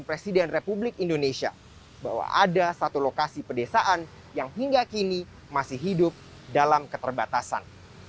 presiden republik indonesia bahwa ada satu lokasi pedesaan yang hingga kini masih hidup dalam keterbatasan